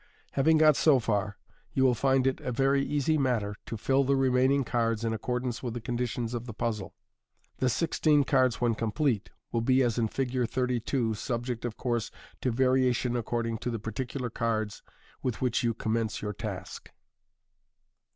Having got so far, you will MODERN MAGIC. 59 find it a very easy matter to fill in the remaining cards in accordance with the conditions of the puzzle. The sixteen cards when complete will be as in Fig. 32, subject, of course, to variation according to the particular cards with which you com mence your task.